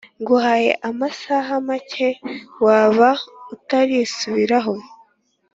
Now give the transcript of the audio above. nguhaye amasaha make waba utarisubiraho